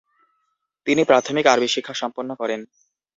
তিনি প্রাথমিক আরবি শিক্ষা সম্পন্ন করেন।